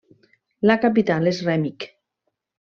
La capital és Remich.